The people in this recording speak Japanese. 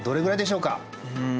うん。